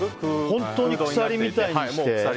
本当に鎖みたいにして。